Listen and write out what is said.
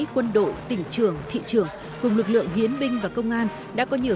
quân đội tỉnh trường thị trường cùng lực lượng hiến binh và công an đã có nhiều